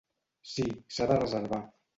Sí, s'ha de reservar.